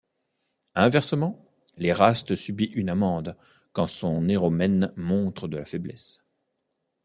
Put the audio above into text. Inversement, l'éraste subit une amende quand son éromène montre de la faiblesse.